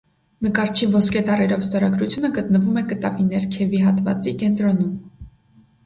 Նկարչի ոսկե տառերով ստորագրությունը գտնվում է կտավի ներքևի հատվածի կենտրոնում։